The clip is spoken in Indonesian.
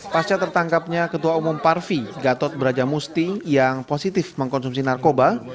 pasca tertangkapnya ketua umum parvi gatot brajamusti yang positif mengkonsumsi narkoba